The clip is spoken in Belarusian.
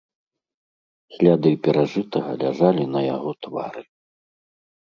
Сляды перажытага ляжалі на яго твары.